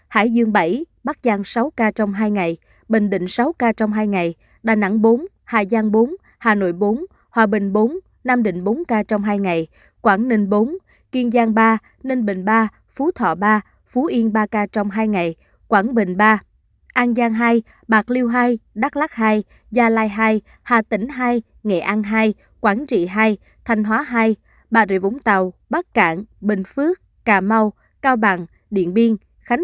hải dương bảy bắc giang sáu ca trong hai ngày bình định sáu ca trong hai ngày đà nẵng bốn hà giang bốn hà nội bốn hòa bình bốn nam định bốn ca trong hai ngày quảng ninh bốn kiên giang ba ninh bình ba phú thọ ba phú yên ba ca trong hai ngày quảng bình ba an giang hai bạc liêu hai đắk lắc hai gia lai hai hà tỉnh hai nghệ an hai quảng trị hai thanh hóa hai bà rịa vũng tàu bắc cảng bình phước cà mau cao bằng điện biên khánh hòa hai điện biên hai điện biên hai điện biên hai khánh